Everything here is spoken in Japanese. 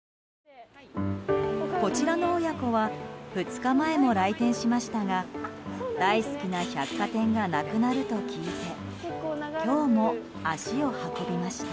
こちらの親子は２日前も来店しましたが大好きな百貨店がなくなると聞いて今日も足を運びました。